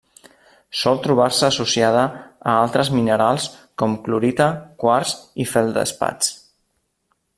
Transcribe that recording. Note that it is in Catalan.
Sol trobar-se associada a altres minerals com: clorita, quars i feldespats.